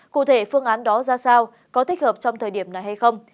cụ thể phương án đó ra sao có thích hợp trong thời điểm này hay không